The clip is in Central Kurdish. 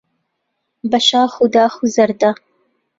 بە شاخ و داخ و زەردا